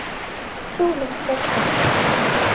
Siwlemt-asen.